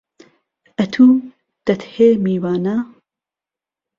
ئهتو دهتهێ میوانە